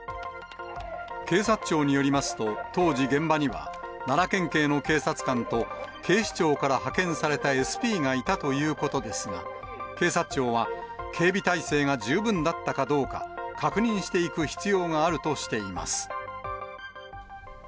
警察庁によりますと、当時、現場には奈良県警の警察官と、警視庁から派遣されたＳＰがいたということですが、警察庁は警備体制が十分だったかどうか、確認していく必要があるとしています。